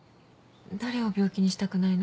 誰を病気にしたくないの？